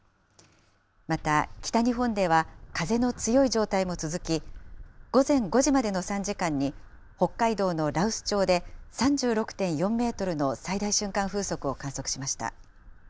また、北日本では風の強い状態も続き、午前５時までの３時間に北海道の羅臼町で３６．４メートルの最大瞬間風速を観測しました。